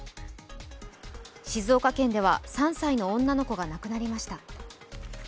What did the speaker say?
静岡県では３歳の女の子が亡くなりました。